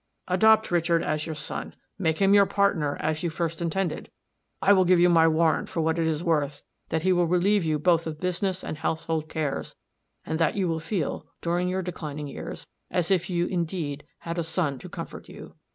Adopt Richard as your son, make him your partner, as you first intended. I will give you my warrant for what it is worth, that he will relieve you both of business and household cares and that you will feel, during your declining years, as if you, indeed, had a son to comfort you."